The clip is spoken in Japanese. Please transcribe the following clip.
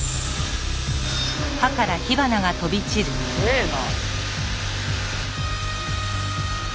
すげえな！